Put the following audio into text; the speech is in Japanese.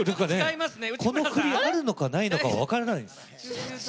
この振りあるのかないのかは分からないです。